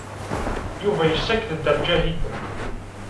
Yuba yessaked-d ar Ǧahida.